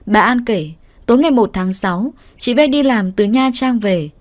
bà an kể tối ngày một tháng sáu chị bay đi làm từ nha trang về